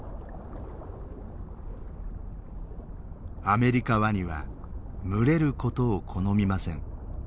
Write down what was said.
アメリカワニは群れることを好みません。